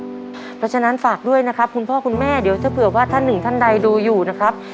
เพราะฉะนั้นฝากด้วยนะครับคุณพ่อคุณแม่เดี๋ยวถ้าเผื่อว่าท่านหนึ่งท่านใดดูอยู่นะครับ